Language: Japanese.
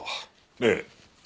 ええ。